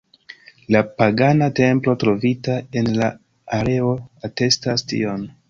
La pagana templo trovita en la areo atestas tion.